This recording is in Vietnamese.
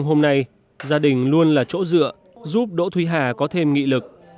hôm nay gia đình luôn là chỗ dựa giúp đỗ thúy hà có thêm nghị lực